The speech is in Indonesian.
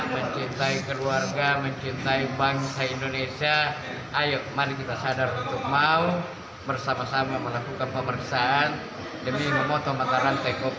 mencintai keluarga mencintai bangsa indonesia ayo mari kita sadar untuk mau bersama sama melakukan pemersaan demi memotong mata rantai covid sembilan belas selama lamanya